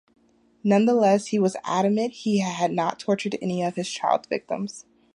Nonetheless, he was adamant he had not tortured any of his child victims.